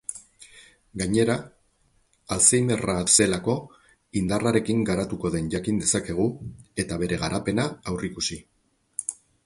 Gainera, alzheimerra zelako indarrarekin garatuko den jakin dezakegu eta bere garapena aurrikusi.